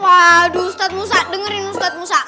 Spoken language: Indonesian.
masaknya hari selasa